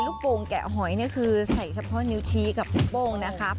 โป่งแกะหอยนี่คือใส่เฉพาะนิ้วชี้กับลูกโป้งนะครับ